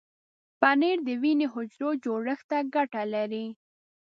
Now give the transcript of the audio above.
پنېر د وینې حجرو جوړښت ته ګټه لري.